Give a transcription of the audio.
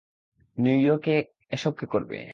নিউইয়র্কে এসব কে করবে?